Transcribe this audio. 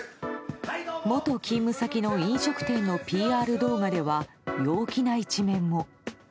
元勤務先の飲食店のＰＲ動画では陽気な一面も。